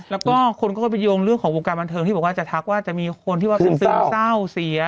แล้วก็คนก็ไปโยงเรื่องของวงการบันเทิงที่บอกว่าจะทักว่าจะมีคนที่ว่าซึมเศร้าเสีย